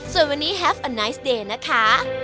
สวัสดีค่ะ